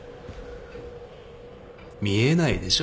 見えないでしょ。